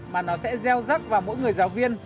mà nó sẽ gieo rắc vào mỗi người giáo viên